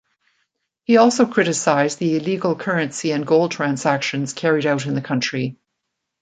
He also criticised the illegal currency and gold transactions carried out in the country.